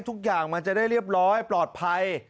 ทุกอย่างมันจะได้เรียบร้อยปลอดภัย